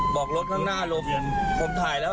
ปิดลดตรงโปรดก่อนปิดลดตรงแยกก่อน